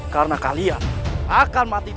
karena kalian akan mati disini